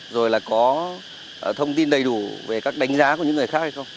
rồi là có thông tin đầy đủ về các đánh giá của những người khác hay không